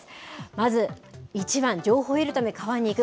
まず、１番、情報を得るため川に行く。